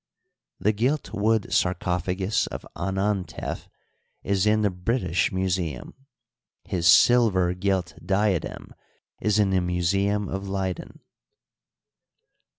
The gilt wood sarcophagus of Anantef is in the British Museum, his silver gilt diadem is in the museum of Leyden.